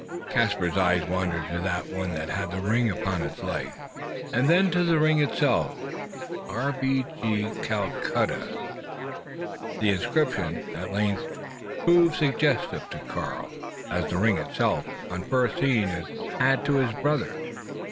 Caspar's eyes wandered to that one that had the ring upon its leg; and then to the ring itself R.B.G., Calcutta. The inscription at length proved suggestive to Caspar, as the ring itself, on first seeing it, had to his brother.